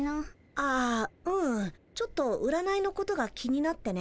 ああうんちょっと占いのことが気になってね。